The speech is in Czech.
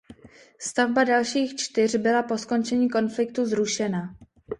Stavba dalších čtyř byla po skončení konfliktu zrušena.